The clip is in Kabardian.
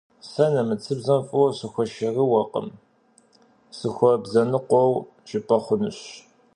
Сэ нэмыцэбзэм фӏыуэ сыхуэшэрыуэкъым, сыхуэбзэныкъуэу жыпӏэ хъунущ.